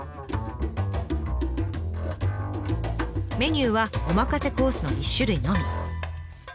メニューはお任せコースの１種類のみ。